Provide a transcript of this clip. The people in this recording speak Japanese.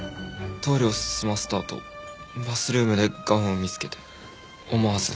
トイレを済ませたあとバスルームでガウンを見つけて思わず。